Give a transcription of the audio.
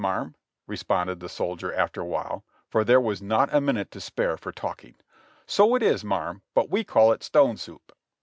marm," responded the soldier after a while, for there was not a minute to spare for talking; "so it is, marm. but we call it stone soup."